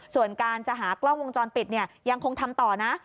ส่วนการจะหากล้องวงจรปิดเนี่ยยังคงทำต่อนะ